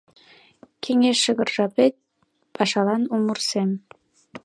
Кеҥеж шыгыр жапет — Пашалан у мур сем.